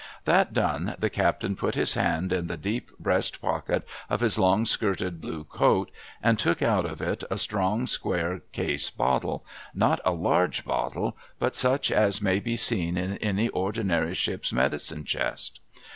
'J'hat done, the cajjtain put his hand in the deep breast pocket of his long skirted blue coat, and took out of it a strong square case bottle, — not a large bottle, but such as may be seen in any ordinary ship's medicine chest.